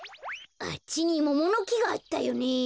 あっちにモモのきがあったよね。